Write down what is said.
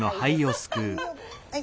はい。